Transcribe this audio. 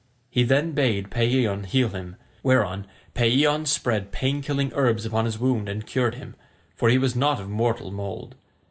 He then bade Paeeon heal him, whereon Paeeon spread pain killing herbs upon his wound and cured him, for he was not of mortal mould.